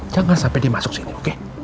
jangan sampai dia masuk sini oke